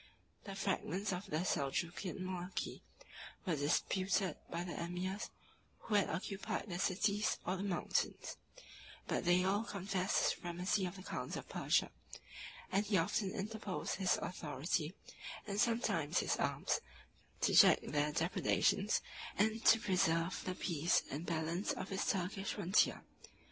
The fragments of the Seljukian monarchy were disputed by the emirs who had occupied the cities or the mountains; but they all confessed the supremacy of the khans of Persia; and he often interposed his authority, and sometimes his arms, to check their depredations, and to preserve the peace and balance of his Turkish frontier.